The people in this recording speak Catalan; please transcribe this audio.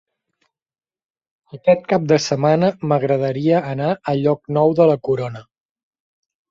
Aquest cap de setmana m'agradaria anar a Llocnou de la Corona.